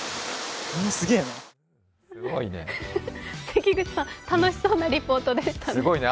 関口さん、楽しそうなリポートでしたね。